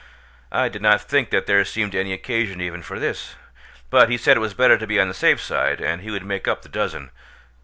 I did not think that there seemed any occasion even for this; but he said it was better to be on the safe side, and he would make up the dozen.